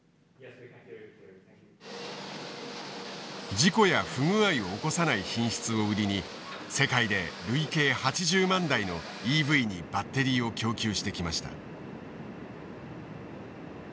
事故や不具合を起こさない品質を売りに世界で累計８０万台のＥＶにバッテリーを供給してきました。